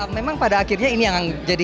memang pada akhirnya ini yang jadi